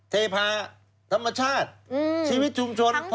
เทพาธรรมชาติชีวิตชุมชนพร้อมทะเล